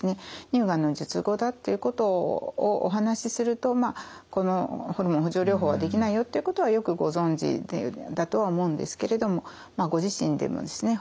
乳がんの術後だっていうことをお話しするとこのホルモン補充療法はできないよっていうことはよくご存じだとは思うんですけれどもご自身でもですね